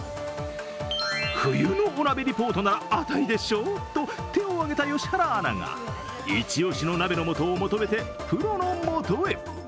冬のお鍋リポートなら私でしょうと手を挙げた良原アナが一押しの鍋の素を求めてプロの元へ。